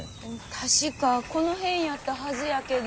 確かこの辺やったはずやけど。